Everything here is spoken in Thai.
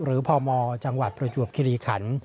พมจังหวัดประจวบคิริขัน